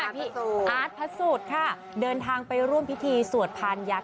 พี่อาร์ธพัสสูตรเดินทางไปร่วมพิธีสวดพารยักษ์